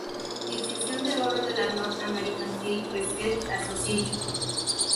Distinción de oro de la North American Case Research Association.